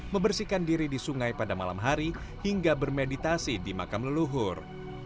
membersihkan diri di sungai pada malam hari hingga bermeditasi di makam leluhur